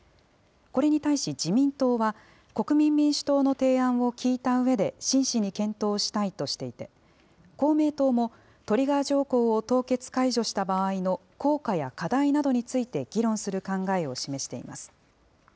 これに対し、自民党は国民民主党の提案を聞いたうえで、真摯に検討したいとしていて、公明党もトリガー条項を凍結解除した場合の、効果や課題などについて議論する考えを示しています。